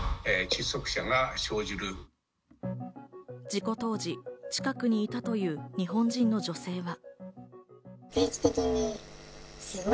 事故当時、近くにいたという日本人の女性は。